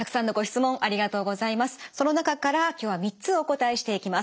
その中から今日は３つお答えしていきます。